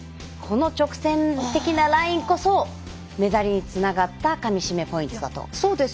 この直線的なラインこそメダルにつながったかみしめポイントだと。